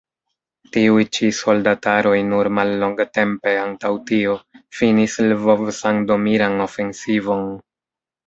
Tiuj ĉi soldataroj nur mallongtempe antaŭ tio finis Lvov-sandomiran ofensivon.